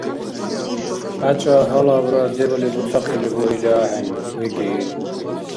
— КьячӀа гьалабра дебали буцахъили буили ахӀен, — викӀи ил.